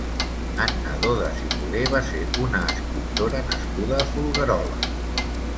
Anna Dodas i Noguer va ser una escriptora nascuda a Folgueroles.